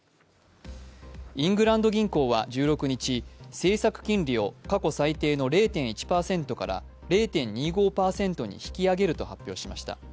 イングランド銀行は１６日、政策金利を過去最低の０．１％から０．２５％に引き上げると発表しました。